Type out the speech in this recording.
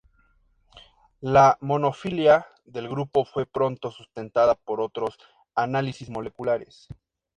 La monofilia del grupo fue pronto sustentada por otros análisis moleculares.